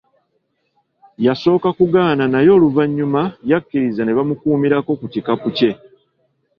Yasooka kugaana naye oluvannyuma yakkiriza ne bamukuumirako ku kikapu kye.